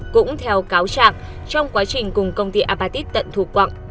cũng theo cáo trạng trong quá trình cùng công ty apatit tận thù quặng